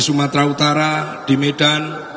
sumatera utara di medan